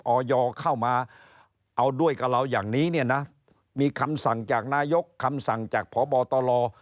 เข้ามาเอาด้วยกับเราอย่างนี้เนี่ยนะมีคำสั่งจากนายกคำสั่งจากพบตล